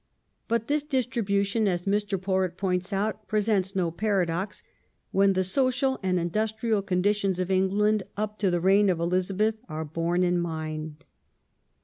^ But this distribution, as Mr. Porritt points out, presents no paradox when the ''social and industrial conditions of England up to the reign of Elizabeth are borne in mind